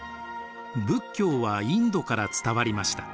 仏教はインドから伝わりました。